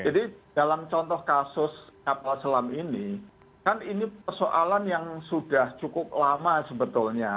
jadi dalam contoh kasus kapal selam ini kan ini persoalan yang sudah cukup lama sebetulnya